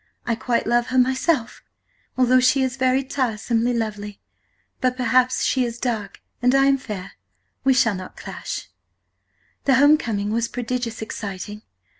I quite love her myself, altho' she is very tiresomely lovely, but perhaps as she is dark and I am fair, we shall not clash. "The Home coming was prodigious exciting.